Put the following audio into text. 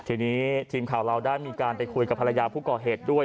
ทีนี้ทีมข่าวเราได้มีการไปคุยกับภรรยาผู้ก่อเหตุด้วย